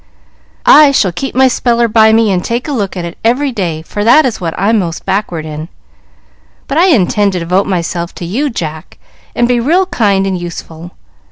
"I shall keep my Speller by me and take a look at it every day, for that is what I'm most backward in. But I intend to devote myself to you, Jack, and be real kind and useful.